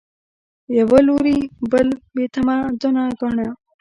یوه لوري بل بې تمدنه ګاڼه